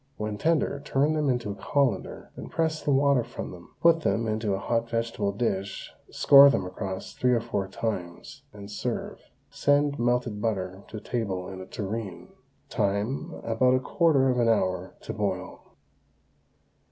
When tender, turn them into a colander, press the water from them, put them into a hot vegetable dish, score them across three or four times, and serve. Send melted butter to table in a tureen. Time, about a quarter of an hour to boil.